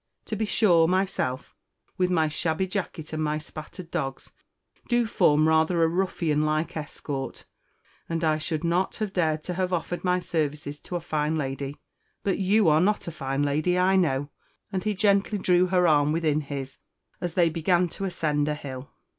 To be sure, myself, with my shabby jacket and my spattered dogs, do form rather a ruffian like escort; and I should not have dared to have offered my services to a fine lady; but you are not a fine lady, I know;" and he gently drew her arm within his as they began to ascend a hill.